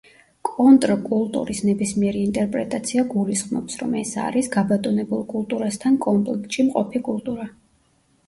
კონტრკულტურის ნებისმიერი ინტერპრეტაცია გულისხმობს, რომ ეს არის გაბატონებულ კულტურასთან კონფლიქტში მყოფი კულტურა.